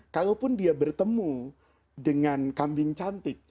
kalaupun dia bertemu dengan kambing cantik